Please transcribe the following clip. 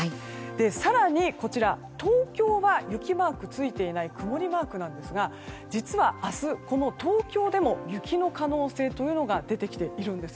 更に東京は雪マークついていない曇りマークなんですが実は明日、この東京でも雪の可能性というのが出てきているんです。